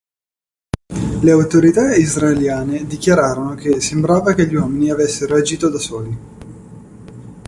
Le autorità israeliane dichiararono che "sembrava che gli uomini avessero agito da soli".